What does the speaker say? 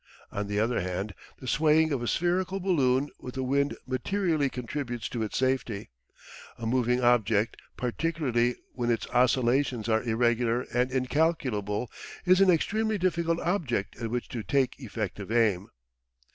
On the other hand, the swaying of a spherical balloon with the wind materially contributes to its safety. A moving object, particularly when its oscillations are irregular and incalculable, is an extremely difficult object at which to take effective aim.